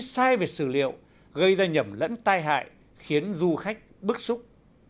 sai về sử liệu gây ra nhầm lẫn tai hại khiến du khách bức xúc